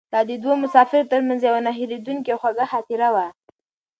دا د دوو مسافرو تر منځ یوه نه هېرېدونکې او خوږه خاطره وه.